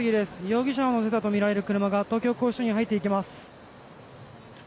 容疑者を乗せたとみられる車が東京拘置所に入っていきます。